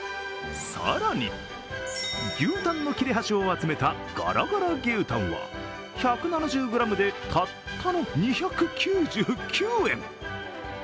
更に、牛タンの切れ端を集めたゴロゴロ牛タンは１７０ｇでたったの２９９円！